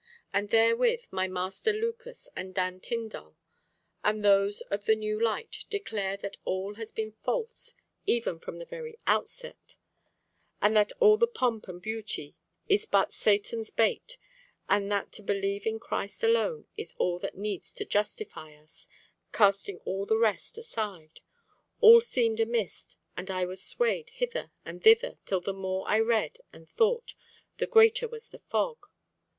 And therewith my master Lucas and Dan Tindall, and those of the new light, declare that all has been false even from the very outset, and that all the pomp and beauty is but Satan's bait, and that to believe in Christ alone is all that needs to justify us, casting all the rest aside. All seemed a mist, and I was swayed hither and thither till the more I read and thought, the greater was the fog.